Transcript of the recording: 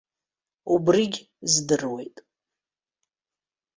Убригь здыруеит.